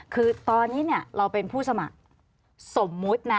คือตอนนี้เราเป็นผู้สมัคร